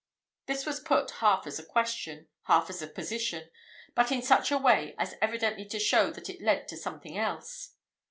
This was put half as a question, half as a position, but in such a way as evidently to show that it led to something else.